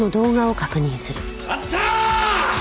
あったー！！